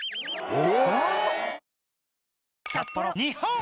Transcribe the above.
え．．．